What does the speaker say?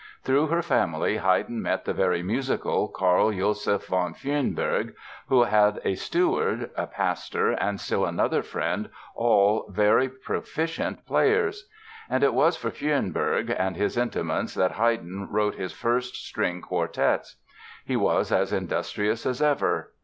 Through her family Haydn met the very musical Karl Joseph von Fürnberg, who had a steward, a pastor and still another friend, all very proficient players. And it was for Fürnberg and his intimates that Haydn wrote his first string quartets. He was as industrious as ever.